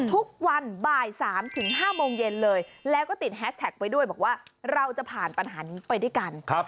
ทุกวันบ่าย๓ถึง๕โมงเย็นเลยแล้วก็ติดแฮชแท็กไว้ด้วยบอกว่าเราจะผ่านปัญหานี้ไปด้วยกัน